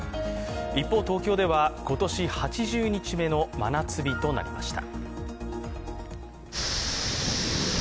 一方、東京では今年８０日目の真夏日となりました。